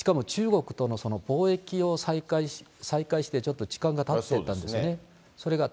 しかも中国との貿易を再開してちょっと時間がたってたんですね。